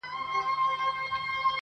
• سپی په مخ کي سي د لاري رهنما سي -